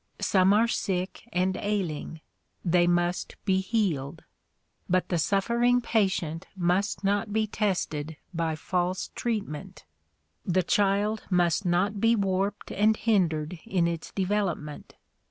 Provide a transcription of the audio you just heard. Some are sick and ailing; they must be healed. But the sult'ering patient must not be tested by false treatment. The child must not be warped and hindered in its development.